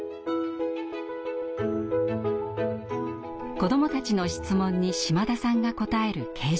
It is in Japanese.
子どもたちの質問に島田さんが答える掲示板です。